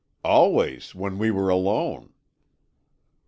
"Always when we were alone."